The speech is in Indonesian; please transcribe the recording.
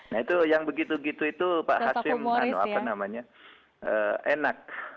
nah itu yang begitu begitu itu pak hashim enak